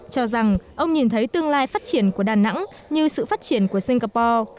cho rằng ông nhìn thấy tương lai phát triển của đà nẵng như sự phát triển của singapore